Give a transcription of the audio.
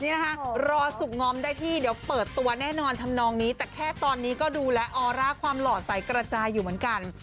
นี่นะคะรอสุขงอมได้ที่เดี๋ยวเปิดตัวแน่นอนทำนองนี้แต่แค่ตอนนี้ก็ดูแลออร่าความหล่อใสกระจายอยู่เหมือนกัน